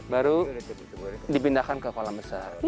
baru dipindahkan ke kolam besar